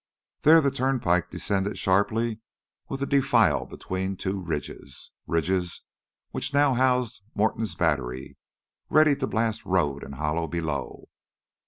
There the turnpike descended sharply with a defile between two ridges, ridges which now housed Morton's battery, ready to blast road and hollow below.